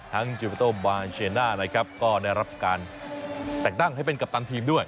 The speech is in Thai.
ทั้งจิวิทัลบานเชียนะนะครับก็ได้รับการแตกตั้งให้เป็นกัปตันทีมด้วย